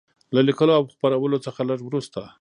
له لیکلو او خپرولو څخه لږ وروسته.